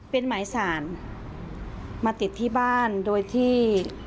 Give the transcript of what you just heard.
เป็นหมายสารมาติดที่บ้านโดยที่